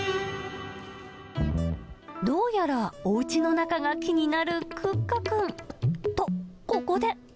どうやら、おうちの中が気になるクッカくん。